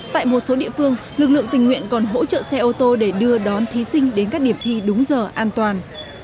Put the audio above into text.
tại một số địa phương lực lượng tình nguyện còn hỗ trợ xe ô tô để đưa đón thí sinh đến các điểm thi đúng giờ an toàn